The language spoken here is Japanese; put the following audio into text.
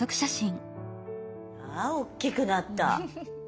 あ大きくなった。